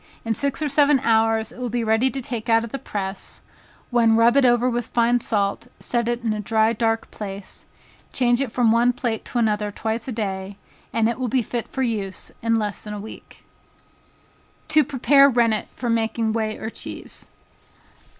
In six or seven hours it will be ready to take out of the press, when rub it over with fine salt, set it in a dry dark place, change it from one plate to another twice a day, and it will be fit for use in less than a week. To Prepare Rennet for making Whey or Cheese.